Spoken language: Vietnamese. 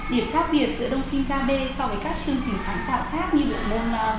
điểm khác biệt giữa đông sinh kb so với các chương trình sáng tạo khác như được môn vẽ